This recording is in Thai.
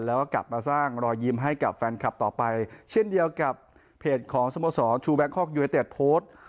แล้วก็กลับมาสร้างรอยยิ้มให้กับแฟนคลับต่อไปเช่นเดียวกับเพจของสโมสรชูแบงคอกยูเนเต็ดโพสต์